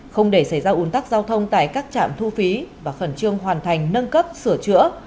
không để xảy ra ủn tắc giao thông tại các trạm thu phí và khẩn trương hoàn thành nâng cấp sửa chữa